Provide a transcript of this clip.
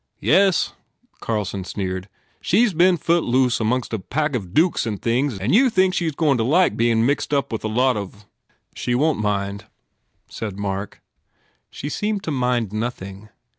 "Yes," Carlson sneered, "she s been footloose amongst a pack of dukes and things and you think she s going to like bein mixed up with a lot of " "She won t mind," said Mark. She seemed to mind nothing.